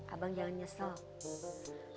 abang jangan nyesel